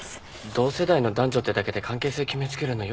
同世代の男女ってだけで関係性決め付けるの良くないですよ。